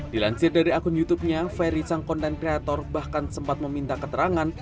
dilansir dari akun youtubenya ferry sang konten kreator bahkan sempat meminta keterangan